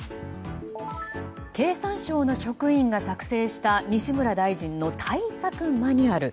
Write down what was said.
経産省の職員が作成した西村大臣の対策マニュアル。